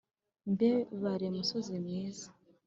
mbe bare musozi mwiza